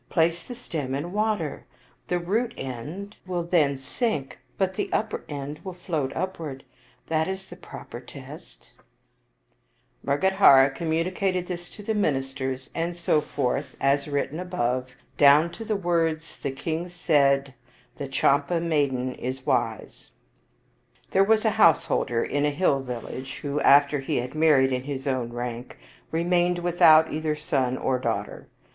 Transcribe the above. Place the stem in water. The root end will then 54 Visakha sink, but the upper end will float upward. That is the proper test/' Mrgadhara communicated this to the ministers, and so forth, as written above, down to the words, " The king said, ' The Champa maiden is wise/ " There was a householder in a hill village who, after he had married in his own rank, remained without either son or daughter.